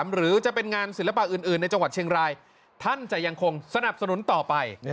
หรือจะเป็นงานศิลปะอื่นในจังหวัดเชียงรายท่านจะยังคงสนับสนุนต่อไป